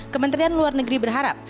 kementerian luar negeri berharap